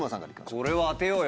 これは当てようよ